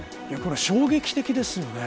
衝撃的ですよね。